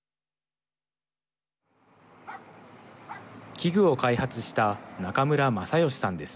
器具を開発した中村正善さんです。